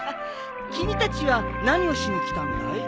君たちは何をしに来たんだい？